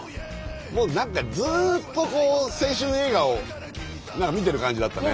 もう何かずっと青春映画を見てる感じだったね。